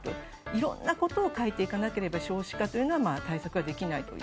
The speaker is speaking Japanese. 色んなことを変えていかなければ少子化というのは対策はできないという。